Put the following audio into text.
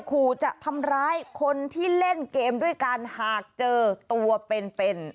ขู่จะทำร้ายคนที่เล่นเกมด้วยกันหากเจอตัวเป็นเป็น